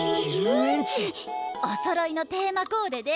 おそろいのテーマコーデで。